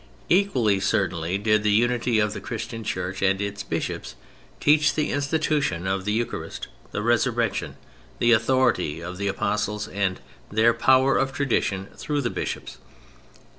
Equally certainly did the unity of the Christian Church and its bishops teach the institution of the Eucharist, the Resurrection, the authority of the Apostles, and their power of tradition through the bishops.